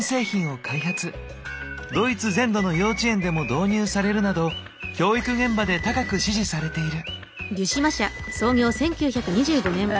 ドイツ全土の幼稚園でも導入されるなど教育現場で高く支持されている。